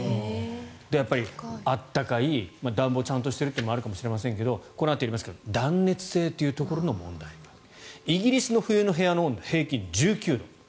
やっぱり暖かい暖房がちゃんとしているというのもあるかもしれませんがこのあとやりますが断熱性というところの問題があるイギリスの冬の部屋の温度平均１９度。